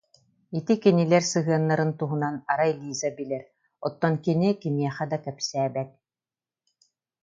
Ити кинилэр сыһыаннарын туһунан, арай Лиза билэр, оттон кини кимиэхэ да кэпсээбэт